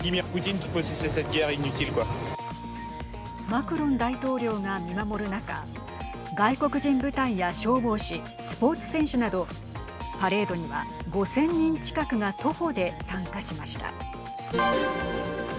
マクロン大統領が見守る中外国人部隊や消防士スポーツ選手などパレードには、５０００人近くが徒歩で参加しました。